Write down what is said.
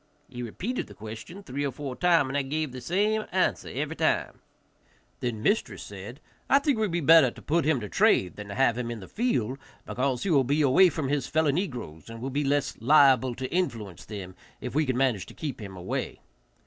He repeated the question three or four times, and I gave the same answer every time. Then mistress said, "I think it would be better to put him to trade than to have him in the field, because he will be away from his fellow negroes, and will be less liable to influence them if we can manage to keep him away."